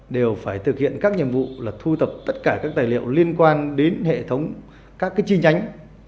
đều phải thực hiện các nhiệm vụ là thu tập tất cả các tài liệu liên quan đến hệ thống các chi nhánh